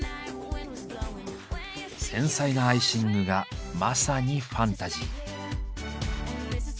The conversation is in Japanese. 繊細なアイシングがまさにファンタジー。